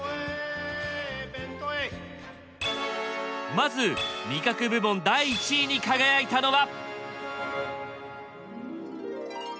まず味覚部門第１位に輝いたのは。